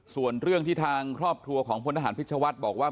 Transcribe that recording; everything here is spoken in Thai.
ส่วนเรื่องที่ทางครอบครัวของพลทหารพิชวัฒน์บอกว่า